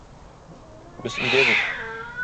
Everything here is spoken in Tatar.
Без өйдә бит.